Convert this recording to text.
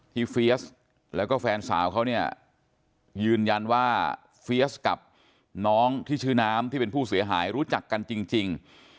เฟียสแล้วก็แฟนสาวเขาเนี่ยยืนยันว่าเฟียสกับน้องที่ชื่อน้ำที่เป็นผู้เสียหายรู้จักกันจริง